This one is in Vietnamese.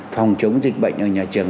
phòng chống dịch bệnh ở nhà trường